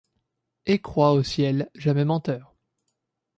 Et crois au ciel, jamais menteur.